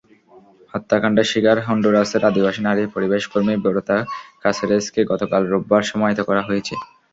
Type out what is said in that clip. হত্যাকাণ্ডের শিকার হন্ডুরাসের আদিবাসী নারী পরিবেশকর্মী বেরতা কাসেরেসকে গতকাল রোববার সমাহিত করা হয়েছে।